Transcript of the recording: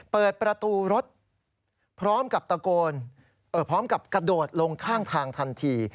เปิดประตูรถพร้อมกับกระโดดลงข้างทางทันที